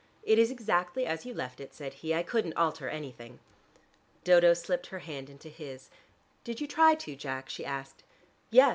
"It is exactly as you left it," said he. "I couldn't alter anything." Dodo slipped her hand into his. "Did you try to, Jack?" she asked. "Yes.